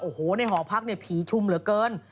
โอ้โหในหอพักผีชุ่มเหลือเกิน